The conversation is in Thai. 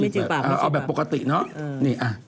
เอาแบบปกติเนอะ